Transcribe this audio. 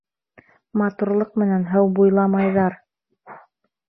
Матурлыҡ менән һыу буйламайҙар.